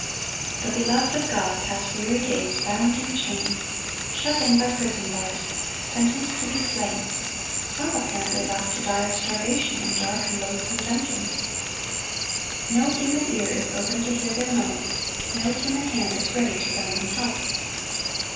The beloved of God pass weary days, bound in chains, shut in by prison bars, sentenced to be slain, some apparently left to die of starvation in dark and loathsome dungeons. No human ear is open to hear their moans; no human hand is ready to lend them help.